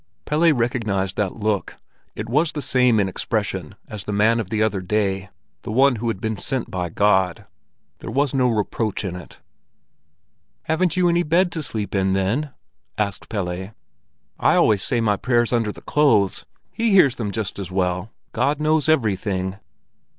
Pelle recognized that look. It was the same in expression as that of the man the other day—the one that had been sent by God. Only there was no reproach in it. "Haven't you any bed to sleep in then?" asked Pelle. "I always say my prayers under the clothes. He hears them just as well! God knows everything."